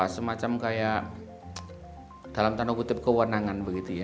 semacam kayak dalam tanda kutip kewenangan